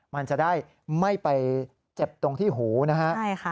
มันจะได้ไม่ไปเจ็บตรงที่หูนะฮะ